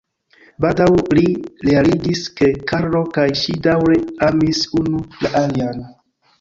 Baldaŭ li realiĝis ke Karlo kaj ŝi daŭre amis unu la alian.